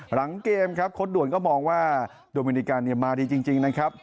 หลังเกมครับโค้ดด่วนก็มองว่าโดมินิกันเนี่ยมาดีจริงนะครับ